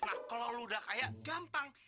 nah kalau lo udah kaya gampang